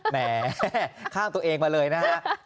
แหมข้ามตัวเองมาเลยนะฮะ